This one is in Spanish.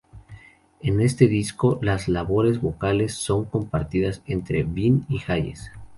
En este disco, las labores vocales son compartidas entre Been y Hayes.